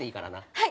はい。